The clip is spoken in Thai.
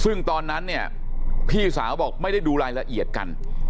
ซึ่งตอนนั้นเนี่ยพี่สาวบอกไม่ได้ดูรายละเอียดกัน